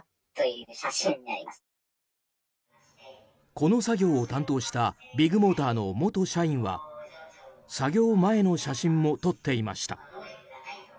この作業を担当したビッグモーターの元社員は作業前の写真も撮っていました。